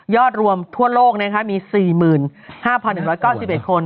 รวมทั่วโลกมี๔๕๑๙๑คน